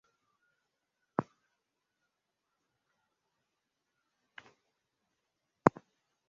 Aidha wataalamu hawa hawakuho suala la kufanana